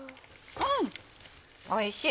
うんおいしい。